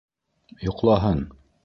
Йоҡлаһын.